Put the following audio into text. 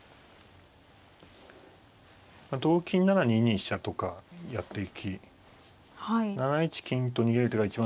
同金なら２二飛車とかやっていき７一金と逃げる手が一番